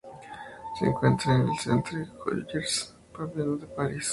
Se encuentra en el Centre Georges Pompidou de París.